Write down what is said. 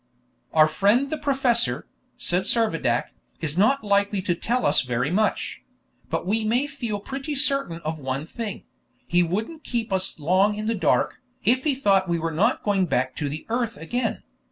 "Our friend the professor," said Servadac, "is not likely to tell us very much; but we may feel pretty certain of one thing: he wouldn't keep us long in the dark, if he thought we were not going back to the earth again.